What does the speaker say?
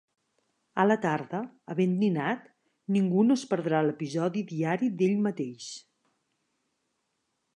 A la tarda, havent dinat, ningú no es perdrà l'episodi diari d'Ell mateix.